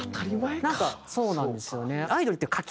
そうなんですよね。